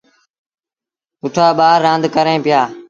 سُٺآ ٻآر رآند ڪريݩ پيٚآ۔